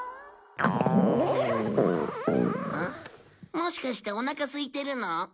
もしかしておなかすいてるの？